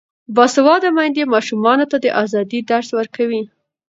باسواده میندې ماشومانو ته د ازادۍ درس ورکوي.